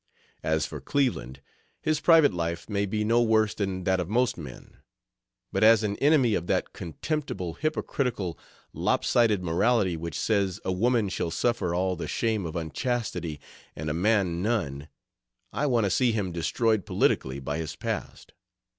As for Cleveland, his private life may be no worse than that of most men, but as an enemy of that contemptible, hypocritical, lop sided morality which says a woman shall suffer all the shame of unchastity and man none, I want to see him destroyed politically by his past.